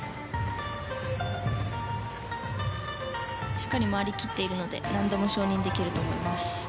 しっかり回りきっているので難度も承認できると思います。